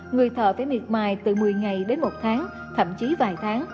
người thợ phải miệt mài từ một mươi ngày đến một tháng thậm chí vài tháng